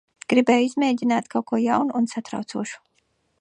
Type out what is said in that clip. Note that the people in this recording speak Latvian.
Gribēju izmēģināt kaut ko jaunu un satraucošu.